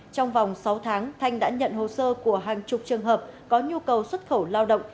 trong vòng sáu tháng thanh đã nhận hồ sơ của hàng chục trường hợp có nhu cầu xuất khẩu lao động